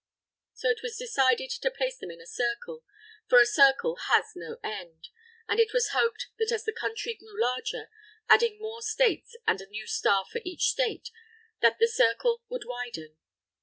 So it was decided to place them in a circle, for a circle has no end. And it was hoped that as the Country grew larger, adding more States and a new Star for each State, that the circle would widen.